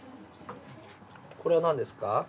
これは何ですか？